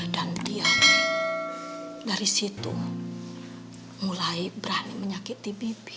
dan dia dari situ mulai berani menyakiti bibi